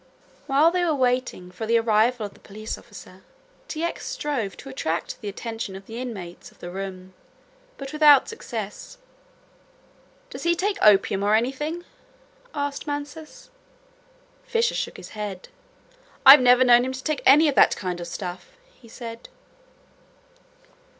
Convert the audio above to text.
While they were waiting for the arrival of the police officer T. X. strove to attract the attention of the inmates of the room, but without success. "Does he take opium or anything!" asked Mansus. Fisher shook his head. "I've never known him to take any of that kind of stuff," he said.